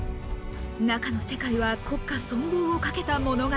中の世界は国家存亡をかけた物語